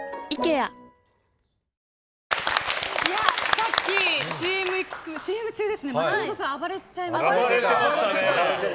さっき、ＣＭ中松本さん、暴れちゃいましたね。